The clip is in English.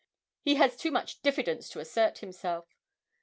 He has too much diffidence to assert himself.